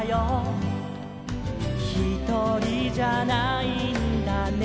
「ひとりじゃないんだね」